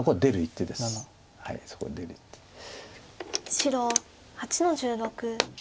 白８の十六。